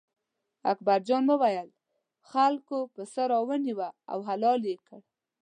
اکبر جان وویل: خلکو پسه را ونیوه او حلال یې کړ.